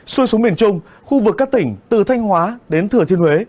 xui xuống miền trung khu vực các tỉnh từ thanh hóa đến thừa thiên huế